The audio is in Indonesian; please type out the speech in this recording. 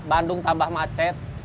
bandung tambah macet